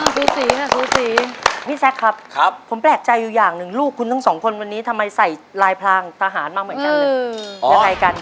เพื่อนแซ่ดครับผมแปลกใจอยู่อย่างหนึ่งลูกคุณทั้งสองคนวันนี้ทำไมใส่ลายพรางตะหารมาเหมือนกัน